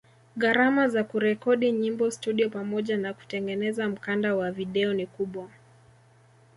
Gharama za kurekodi nyimbo studio pamoja na kutengeneza mkanda wa video ni kubwa